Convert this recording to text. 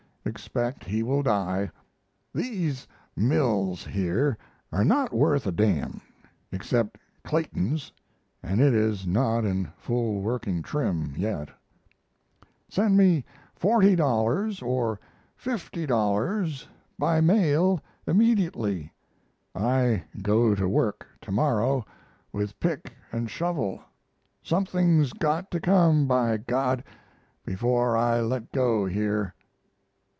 Expect he will die. These mills here are not worth a d n except Clayton's and it is not in full working trim yet. Send me $40 or $50 by mail immediately. I go to work to morrow with pick and shovel. Something's got to come, by G , before I let go here.